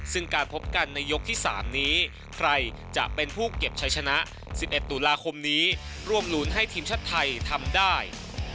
ซึ่งการพบกันในยกที่๓นี้ใครจะเป็นผู้เก็บใช้ชนะ๑๑ตุลาคมนี้ร่วมลุ้นให้ทีมชาติไทยทำได้